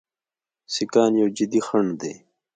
سیکهان یو جدي خنډ دی.